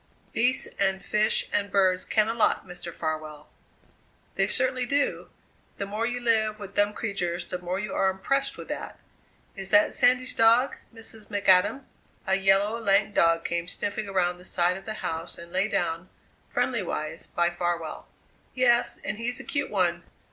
Beasts and fish and birds ken a lot, Mr. Farwell." "They certainly do. The more you live with dumb creatures, the more you are impressed with that. Is that Sandy's dog, Mrs. McAdam?" A yellow, lank dog came sniffing around the side of the house and lay down, friendly wise, by Farwell. "Yes, and he's a cute one.